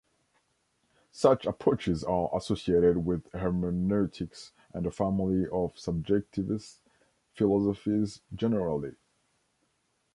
Such approaches are associated with Hermeneutics and the family of subjectivist philosophies generally.